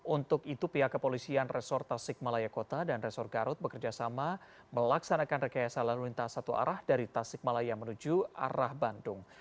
untuk itu pihak kepolisian resor tasik malaya kota dan resor garut bekerjasama melaksanakan rekayasa lalu lintas satu arah dari tasik malaya menuju arah bandung